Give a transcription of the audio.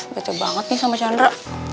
betul banget nih sama chandra